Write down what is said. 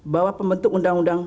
bahwa pembentuk undang undang